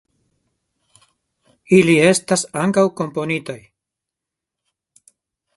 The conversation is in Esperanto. Ili estas ankaŭ komponitaj.